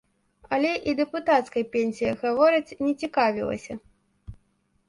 Але і дэпутацкай пенсіяй, гавораць, не цікавілася.